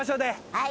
はい。